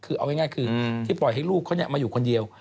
คือเอาง่ายคือที่ปล่อยให้ลูกเขามาอยู่คนเดียว